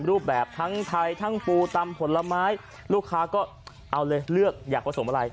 รูปแบบทั้งไทยทั้งปูตำผลไม้ลูกค้าก็เอาเลยเลือกอยากผสมอะไร